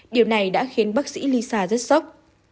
điều này đã khiến bác sĩ lisa rất sốc